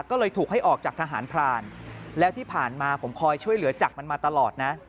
ก็เลยถูกให้ออกจากทหารพรานแล้วที่ผ่านมาผมคอยช่วยเหลือจากมันมาตลอดนะ